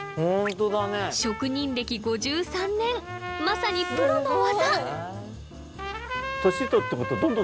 職人歴５３年まさにプロの技！